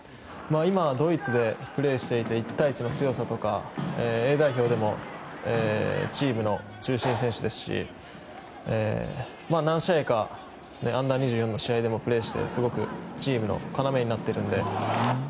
今はドイツでプレーしてて１対１の強さとかＡ代表でもチームの中心選手ですし何試合か、Ｕ‐２４でもプレーして、すごくチームの要になっているので。